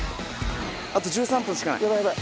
あと１３分しかない。